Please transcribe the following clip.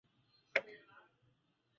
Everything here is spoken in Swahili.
kenya jamhuri ya kidemokrasi ya kongo